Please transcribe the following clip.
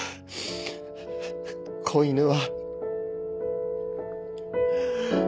子犬は。